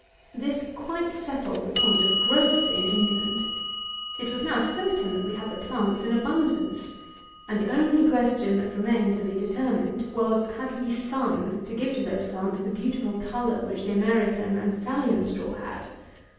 216. This quite settled the point of growth in England. It was now certain that we had the plants in abundance; and the only question that remained to be determined was, Had we SUN to give to those plants the beautiful colour which the American and Italian straw had?